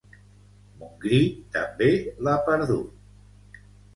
Montgrí també l'ha perdut